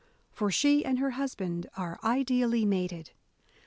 For she and her husband are ideally mated.